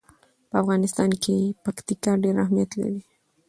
په افغانستان کې پکتیکا ډېر اهمیت لري.